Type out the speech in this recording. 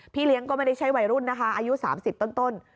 เลี้ยงก็ไม่ได้ใช้วัยรุ่นนะคะอายุ๓๐ต้น